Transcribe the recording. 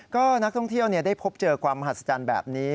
ก็นักท่องเที่ยวได้พบเจอความมหัศจรรย์แบบนี้